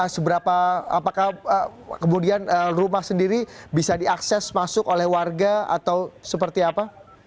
seberapa apakah kemudian rumah sendiri bisa diakses masuk oleh warga atau seperti apa